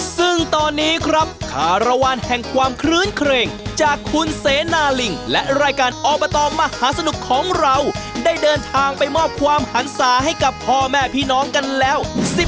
ซึ่งตอนนี้ครับคารวาลแห่งความคลื้นเครงจากคุณเสนาลิงและรายการอบตมหาสนุกของเราได้เดินทางไปมอบความหันศาให้กับพ่อแม่พี่น้องกันแล้ว